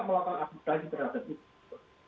yang memang bisa melakukan asli asli terhadap itu